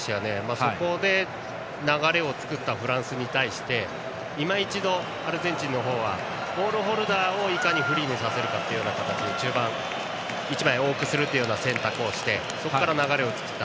そこで流れを作ったフランスに対し今一度、アルゼンチンはボールホルダーをいかにフリーにさせるかという形で中盤、１枚多くするという選択をしてそこから流れを作った。